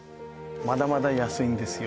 まだまだ安いんですよ